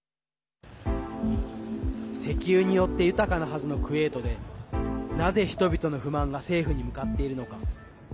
石油によって豊かなはずのクウェートでなぜ人々の不満が政府に向かっているのか。